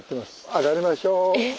上がりましょう。